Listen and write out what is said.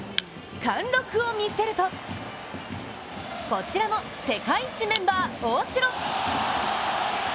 貫禄を見せるとこちらも、世界一メンバー・大城。